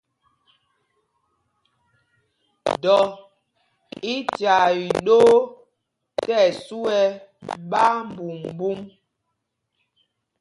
Dɔ í tyaa iɗoo tí ɛsu ɛ ɓáámbumbūm.